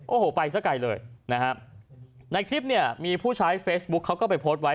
โอ้โหไปซะไกลเลยนะฮะในคลิปเนี่ยมีผู้ใช้เฟซบุ๊คเขาก็ไปโพสต์ไว้